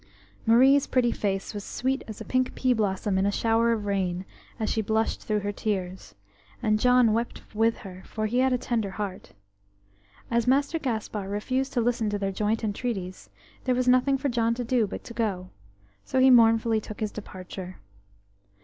ARIE'S pretty face was sweet as a pink pea blossom in a shower of rain as she blushed through her tears, and John wept with her, for he had a tender heart. As Master Gaspar refused to listen to their joint entreaties, there was nothing for John to do but to go, so he mournfully took his departure.